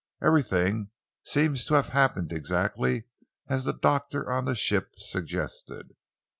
"Everything seems to have happened exactly as the doctor on the ship suggested.